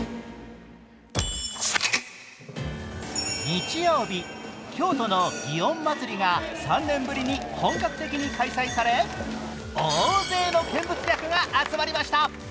日曜日、京都の祇園祭が３年ぶりに本格的に開催され大勢の見物客が集まりました。